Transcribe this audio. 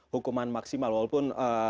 hukuman maksimal walaupun